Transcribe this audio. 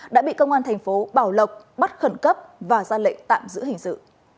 đã bị công an thành phố bảo lộc bắt khẩn cấp và ra lệnh tạm giữ hình sự